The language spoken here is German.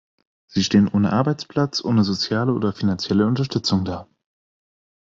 Sie stehen ohne Arbeitsplatz, ohne soziale oder finanzielle Unterstützung da.